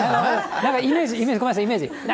なんかイメージ、ごめんなさい、イメージ。